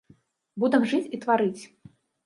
Будам жыць і тварыць.